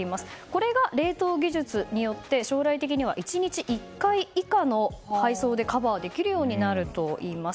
これが冷凍技術によって将来的には１日１回以下の配送でカバーできるようになるといいます。